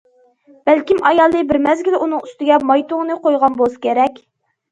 بەلكىم ئايالى بىر مەزگىل ئۇنىڭ ئۈستىگە ماي تۇڭىنى قويغان بولسا كېرەك.